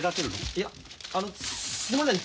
いやあのすいません